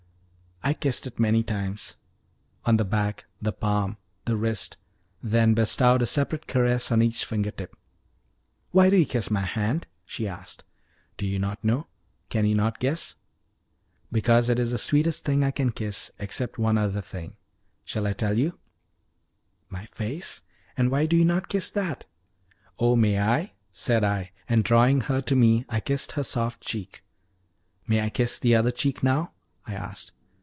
I kissed it many times on the back, the palm, the wrist then bestowed a separate caress on each finger tip. "Why do you kiss my hand?" she asked. "Do you not know can you not guess? Because it is the sweetest thing I can kiss, except one other thing. Shall I tell you " "My face? And why do you not kiss that?" "Oh, may I?" said I, and drawing her to me I kissed her soft cheek. "May I kiss the other cheek now?" I asked.